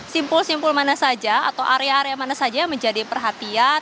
simpul simpul mana saja atau area area mana saja yang menjadi perhatian